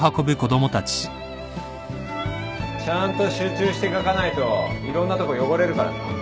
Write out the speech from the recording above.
ちゃんと集中して書かないといろんなとこ汚れるからな。